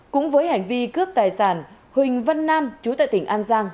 cũng với hành vi cướp tài sản huỳnh vân nam trú tại tỉnh an giang